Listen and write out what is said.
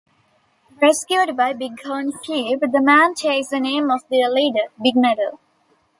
Rescued by bighorn sheep, the man takes the name of their leader, Big Metal.